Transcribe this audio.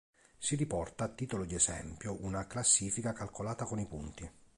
Si riporta, a titolo di esempio, una classifica calcolata con i punti.